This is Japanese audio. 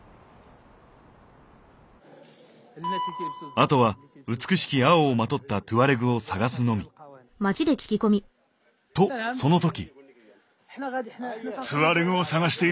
あとは美しき青を纏ったトゥアレグを探すのみ。とその時！